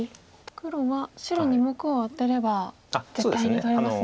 黒は白２目をアテれば絶対に取れますね。